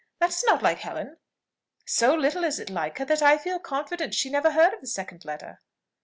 That is not like Helen." "So little is it like her, that I feel confident she never heard of the second letter."